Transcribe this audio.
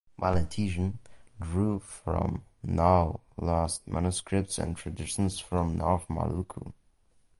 Valentijn drew from now lost manuscripts and traditions from North Maluku.